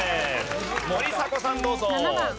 森迫さんどうぞ。